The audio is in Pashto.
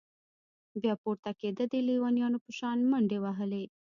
بيا پورته كېده د ليونيانو په شان منډې وهلې.